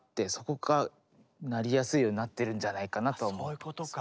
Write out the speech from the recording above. そういうことか。